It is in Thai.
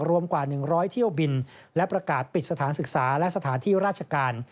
รวมกว่า๑๐๐เที่ยวบินและประกาศปิดสถานศึกษาและสถานที่ราชการ